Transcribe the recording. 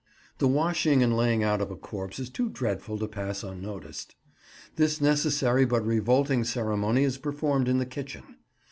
The washing and laying out of a corpse is too dreadful to pass unnoticed. This necessary but revolting ceremony is performed in the kitchen.